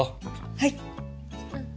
はい。